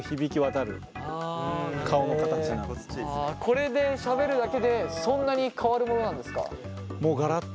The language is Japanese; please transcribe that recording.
これでしゃべるだけでそんなに変わるものなんですか？